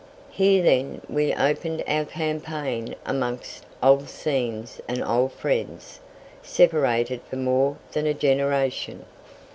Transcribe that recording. Here, then, we opened our campaign amongst old scenes and old friends, separated for more than a generation.